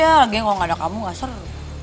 gak usah lagi kalau gak ada kamu gak seru